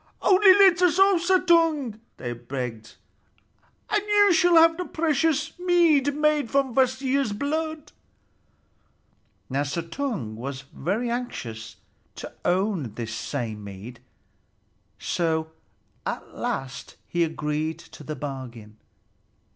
"Only let us off, Suttung," they begged, "and you shall have the precious mead made from Kvasir's blood." Now Suttung was very anxious to own this same mead, so at last he agreed to the bargain.